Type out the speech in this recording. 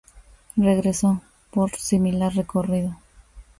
Regreso: Por similar recorrido.